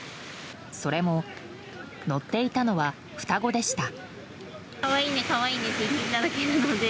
それも、乗っていたのは双子でした。